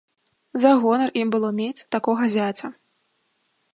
За гонар ім было мець такога зяця.